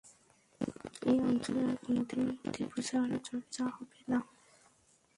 এই অঞ্চলে আর কোনদিন মূর্তিপূজার চর্চা হবে না।